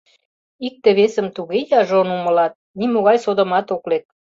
Икте-весым туге яжон умылат, нимогай содомат ок лек.